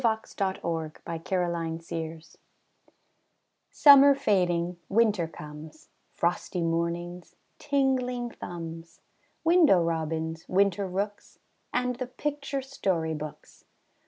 PICTURE BOOKS IN WINTER Summer fading, winter comes Frosty mornings, tingling thumbs, Window robins, winter rooks, And the picture story books.